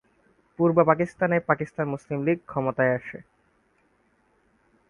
পূর্ব পাকিস্তানে পাকিস্তান মুসলিম লীগ ক্ষমতায় আসে।